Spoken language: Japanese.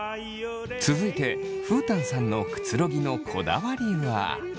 続いてフータンさんのくつろぎのこだわりは？